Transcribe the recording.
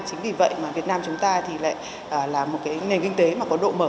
chính vì vậy việt nam chúng ta là một nền kinh tế có độ mở